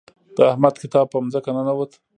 د احمد کتاب په ځمکه ننوت.